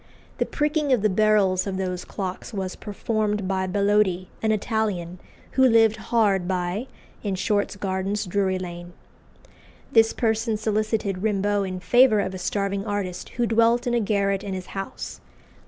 The pricking of the barrels of those clocks was performed by Bellodi, an Italian, who lived hard by, in Short's Gardens, Drury Lane. This person solicited Rimbault in favour of a starving artist who dwelt in a garret in his house.